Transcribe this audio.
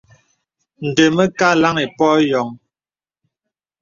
Ndə mə kà laŋì pɔ̄ɔ̄ yɔŋ.